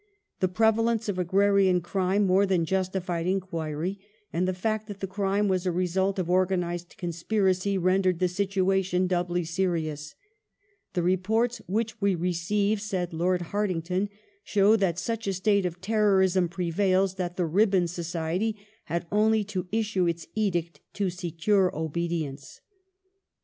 The prevalence of agrarian crime more than justified enquiry, and the fact that the crime was a result of organized conspiracy rendered the situa tion doubly serious. " The reports which we receive," said Lord Hai tington, " show that such a state of terrorism prevails that the (Ribbon) Society had only to issue its edict to secure obedience.